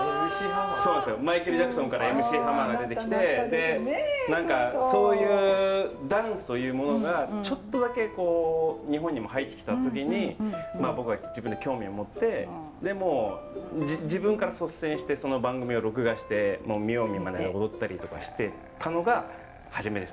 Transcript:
マイケル・ジャクソンからＭＣハマーが出てきてそういうダンスというものがちょっとだけ日本にも入ってきた時に僕は自分で興味を持ってでもう自分から率先してその番組を録画して見よう見まねで踊ったりとかしてたのが初めですね。